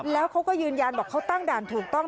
แล้วเขาก็ยืนยันบอกเขาตั้งด่านถูกต้อง